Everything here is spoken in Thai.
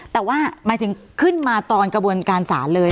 แต่ว่าหมายถึงขึ้นมาตอนกระบวนการศาลเลย